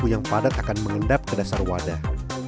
yang padat akan mengendap ke dasar wadah